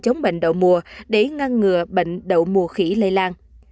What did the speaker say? chống bệnh đậu mùa để ngăn ngừa bệnh đậu mùa khỉ lây lan